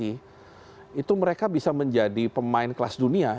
itu mereka bisa menjadi pemain kelas dunia